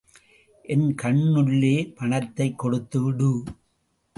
என் கண்ணுல்லே பணத்தை கொடுத்துடு.